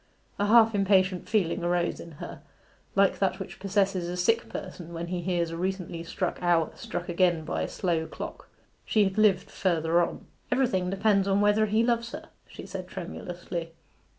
A half impatient feeling arose in her, like that which possesses a sick person when he hears a recently struck hour struck again by a slow clock. She had lived further on. 'Everything depends upon whether he loves her,' she said tremulously.